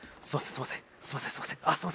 すいませんあっ